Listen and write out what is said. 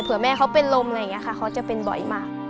เพื่อแม่เขาเป็นลมอะไรอย่างนี้ค่ะเขาจะเป็นบ่อยมาก